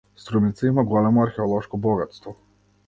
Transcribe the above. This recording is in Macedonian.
Струмица има големо археолошко богатство.